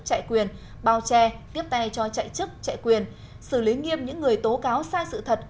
chạy quyền bao che tiếp tay cho chạy chức chạy quyền xử lý nghiêm những người tố cáo sai sự thật